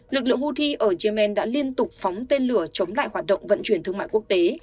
lực lượng houthi ở yemen đã liên tục phóng tên lửa chống lại hoạt động vận chuyển thương mại quốc tế